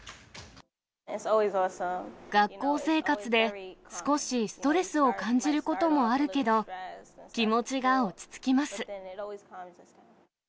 学校生活で少しストレスを感じることもあるけど、気持ちが落ち着きます。